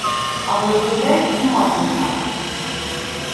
А без людей — не можна знати